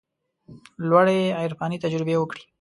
لوړې عرفاني تجربې وکړي.